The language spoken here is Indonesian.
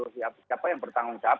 siapa yang bertanggung jawab